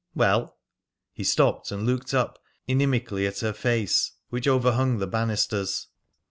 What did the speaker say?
"Well?" He stopped and looked up inimically at her face, which overhung the banisters.